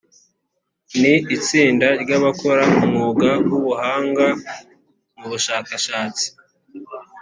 ni itsinda ry abakora umwuga w abahanga mu bushakashatsi